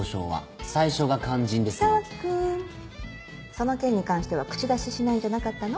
その件に関しては口出ししないんじゃなかったの？